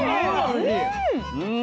うん！